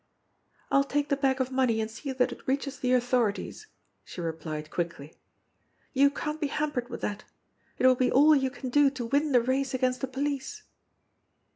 "I'll take the bag of money and see that it reaches th" authorities," she replied quickly. "You can't be hampered with that. It will be all you can do to win the race againsi the police."